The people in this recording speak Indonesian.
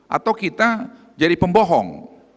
atau kita jadi pembohong